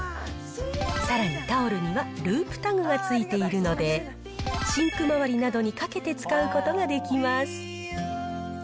さらにタオルには、ループタグがついているので、シンク周りなどにかけて使うことができます。